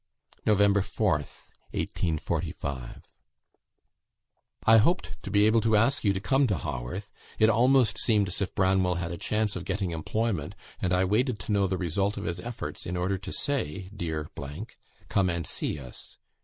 "Nov. 4th, 1845. "I hoped to be able to ask you to come to Haworth. It almost seemed as if Branwell had a chance of getting employment, and I waited to know the result of his efforts in order to say, dear , come and see us.